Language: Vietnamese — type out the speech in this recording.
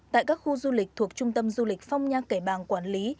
tại các khu du lịch thuộc trung tâm du lịch phong nha kẻ bàng quản lý